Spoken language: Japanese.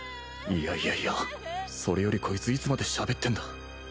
いやいやいやそれよりこいついつまでしゃべってんだ？